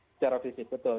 secara fisik betul